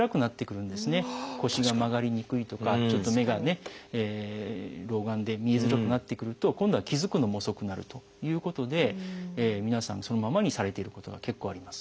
腰が曲がりにくいとかちょっと目がね老眼で見えづらくなってくると今度は気付くのも遅くなるということで皆さんそのままにされていることが結構あります。